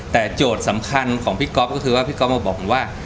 แต่โจทย์สำคัญของพี่ก๊อฟก็คือว่าพี่ก๊อฟมาบอกผมว่า